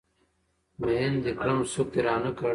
ميين د کړم سوک د رانه کړ